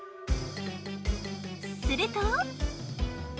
すると。